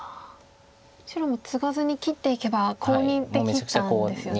白もツガずに切っていけばコウにできたんですよね。